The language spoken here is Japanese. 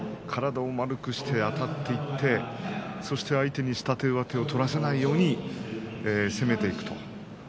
体を丸くして、あたっていってそして相手に下手、上手を取らせないように攻めていく。